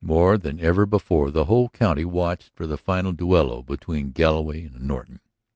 More than ever before the whole county watched for the final duello between Galloway and Norton.